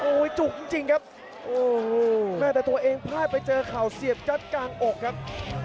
โอ้ยจุกจริงครับแต่ตัวเองพลาดไปเจอข่าวเสียบจัดกลางอกครับ